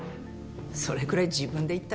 それぐらい自分で言ったら？